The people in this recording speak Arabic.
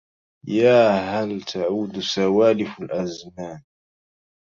يا هل تعود سوالف الأزمان